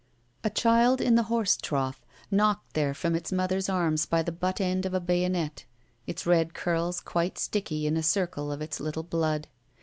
A child in the horse trough, knocked there from its mother's arms by the butt end of a bayonet, its red curls quite sticky in a circle of its little blood.